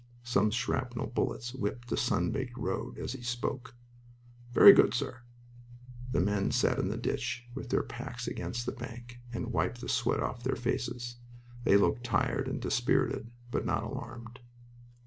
Some shrapnel bullets whipped the sun baked road as he spoke. "Very good, sir." The men sat in the ditch, with their packs against the bank, and wiped the sweat off their faces. They looked tired and dispirited, but not alarmed.